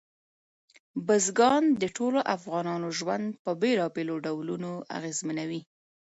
بزګان د ټولو افغانانو ژوند په بېلابېلو ډولونو اغېزمنوي.